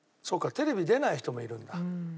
テレビ出ない人もいるんだ。